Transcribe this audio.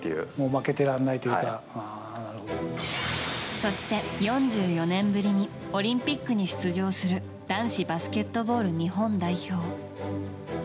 そして、４４年ぶりにオリンピックに出場する男子バスケットボール日本代表。